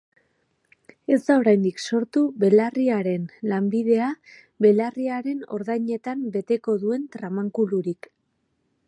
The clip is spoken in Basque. Ez da oraindik sortu belarriaren lanbidea belarriaren ordainetan beteko duen tramankulurik.